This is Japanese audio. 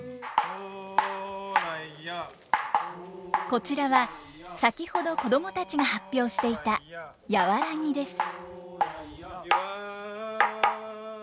こちらは先ほど子供たちが発表していた「やわらぎ」です。